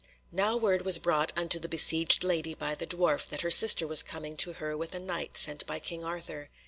Now word was brought unto the besieged lady by the dwarf that her sister was coming to her with a Knight sent by King Arthur.